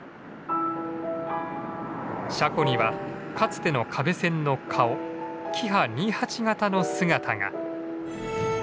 車庫にはかつての可部線の顔キハ２８形の姿が。